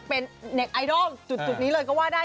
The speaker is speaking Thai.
เป็นเน็ตไอดอลจุดนี้เลยก็ว่าได้